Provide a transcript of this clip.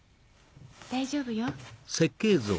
大丈夫よ。